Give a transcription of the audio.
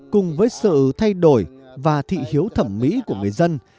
cùng với sự thay đổi và thị hiếu thẩm mỹ của người dân